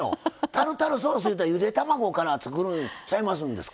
タルタルソースいうたらゆで卵から作るんちゃいますんですか？